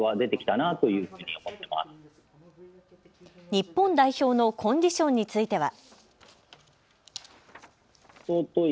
日本代表のコンディションについては。